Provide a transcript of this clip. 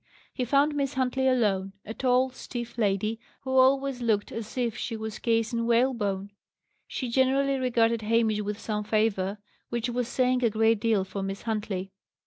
He found Miss Huntley alone; a tall, stiff lady, who always looked as if she were cased in whalebone. She generally regarded Hamish with some favour, which was saying a great deal for Miss Huntley.